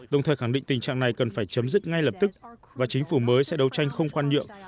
đồng thời khẳng định tình trạng này cần phải chấm dứt ngay lập tức và chính phủ mới sẽ đấu tranh không khoan nhượng